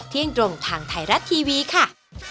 เที่ยงตรงทางไทยรัฐทีวีค่ะ